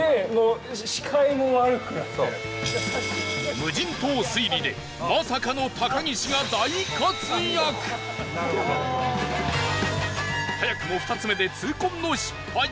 無人島推理でまさかの高岸が大活躍早くも２つ目で、痛恨の失敗